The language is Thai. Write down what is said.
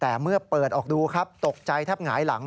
แต่เมื่อเปิดออกดูครับตกใจแทบหงายหลัง